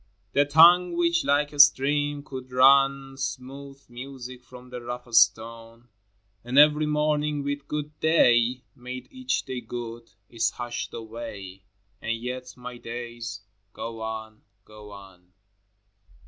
ii. The tongue which, like a stream, could run Smooth music from the roughest stone, And every morning with " Good day " Made each day good, is hushed away, — And yet my days go on, go on.